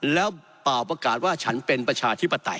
แล้วเปล่าประกาศว่าฉันเป็นประชาธิปไตย